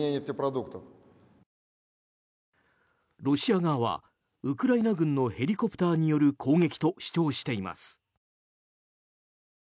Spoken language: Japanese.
ロシア側は、ウクライナ軍のヘリコプターによる攻撃と主張しています。